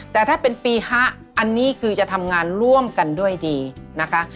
แต่ถ้าเป็นปีฮะอันนี้คือจะทำงานร่วมกันด้วยดีนะคะ